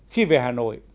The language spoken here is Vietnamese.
khi về hà nội